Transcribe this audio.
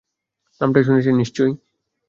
নামটা শুনেছেন নিশ্চয়ই?